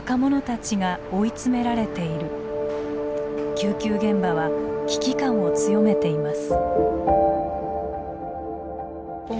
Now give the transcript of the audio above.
救急現場は危機感を強めています。